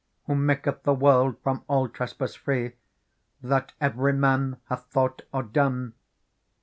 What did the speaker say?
Who maketh the world from all trespass free That every man hath thought or done.'